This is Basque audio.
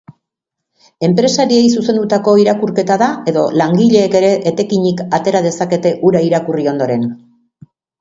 Enpresariei zuzendutako irakurketa da edo langileek ere etekinik atera dezakete hura irakurri ondoren?